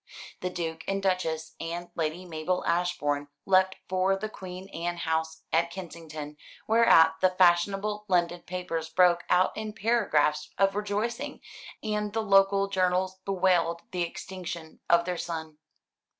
The Duke and Duchess, and Lady Mabel Ashbourne, left for the Queen Anne house at Kensington, whereat the fashionable London papers broke out in paragraphs of rejoicing, and the local journals bewailed the extinction of their sun.